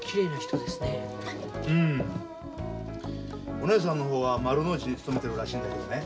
お姉さんの方は丸の内に勤めてるらしいんだけどね